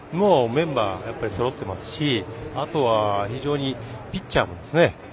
メンバーそろってますしあとは非常にピッチャーですね